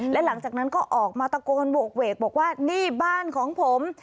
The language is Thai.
และหลังจากนั้นก็ออกมาตะโกนโหกเวกบอกว่านี่บ้านของผม